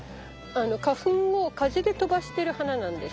花粉を風で飛ばしてる花なんです。